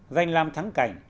danh làm thắng cảnh